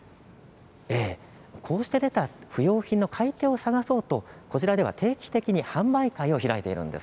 こうして出た不用品の買い手を探そうとこちらでは定期的に販売会を開いているんです。